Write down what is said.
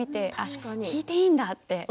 聞いていいんだと。